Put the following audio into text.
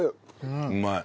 うまい。